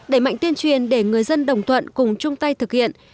đẩy mạnh tuyên truyền để người dân đồng tuận cùng chung tay thực hiện